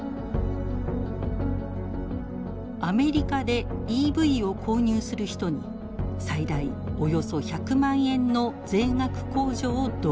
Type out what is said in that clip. アメリカでＥＶを購入する人に最大およそ１００万円の税額控除を導入。